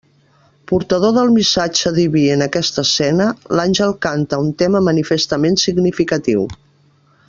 Portador del missatge diví en aquesta escena, l'àngel canta un tema manifestament significatiu.